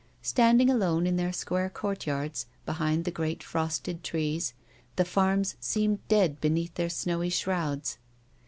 Standing alone in their square courtyards, behind the great frosted trees, the farms seemed dead beneath their snowy shrouds.